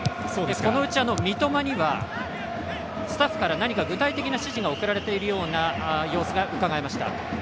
このうち三笘にはスタッフから具体的な指示が送られている様子がうかがえました。